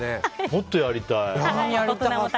もっとやりたい。